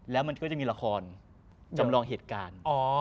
แล้วมันก็จะมีละครจำลองเหตุการณ์